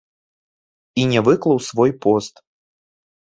І не выклаў свой пост.